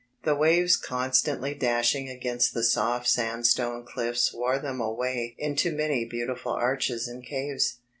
The waves constantly dashing against the soft sandstone cliffs wore them away into many beautiful arches and caves.